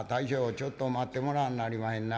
ちょっと待ってもらわんなりまへんな」。